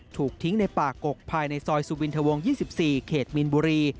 ถูกทิ้งในปากกกภายในซอยสุวินทวงค์ยี่สิบสี่เขตมินบุรี